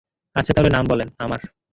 আচ্ছা তাহলে নাম বলেন, আমার।